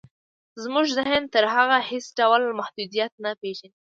زموږ ذهن تر هغو هېڅ ډول محدوديت نه پېژني.